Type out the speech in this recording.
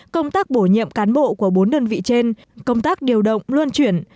công tác bổ nhiệm cán bộ của bốn đơn vị trên công tác điều động luân chuyển